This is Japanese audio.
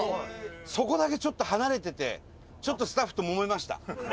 そこだけ、ちょっと離れててちょっとスタッフともめました。